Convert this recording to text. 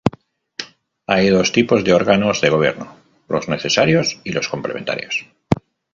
Hay dos tipos de Órganos de Gobierno, los necesarios y los complementarios.